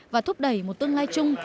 và thúc đẩy một tương lai chung